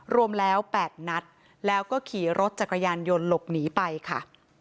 รวมแล้ว๘นัดแล้วก็ขี่รถจักรยานยนต์หลบหนีไปค่ะ